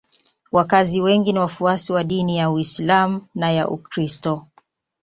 Wakazi wengi ni wafuasi wa dini ya Uislamu na ya Ukristo.